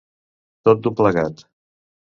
Tot d'un plegat.